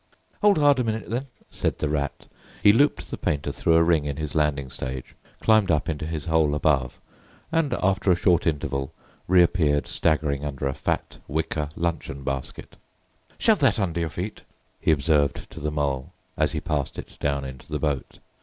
"Hold hard a minute, then!" said the Rat. He looped the painter through a ring in his landing stage, climbed up into his hole above, and after a short interval reappeared staggering under a fat, wicker luncheon basket. "Shove that under your feet," he observed to the Mole, as he passed it down into the boat.